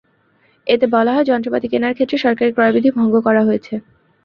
এতে বলা হয়, যন্ত্রপাতি কেনার ক্ষেত্রে সরকারি ক্রয়বিধি ভঙ্গ করা হয়েছে।